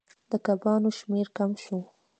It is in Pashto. د کبانو شمیر کم شو.